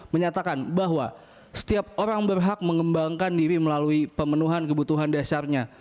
menyatakan bahwa setiap orang berhak mengembangkan diri melalui pemenuhan kebutuhan dasarnya